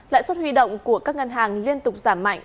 lãi suất huy động của các ngân hàng liên tục giảm mạnh